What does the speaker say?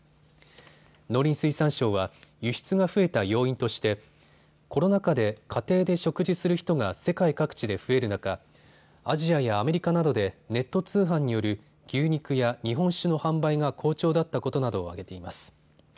農林水産省は輸出が増えた要因としてコロナ禍で家庭で食事する人が世界各地で増える中、アジアやアメリカなどでネット通販による牛肉や日本酒の販売が好調だったことなどを挙げています。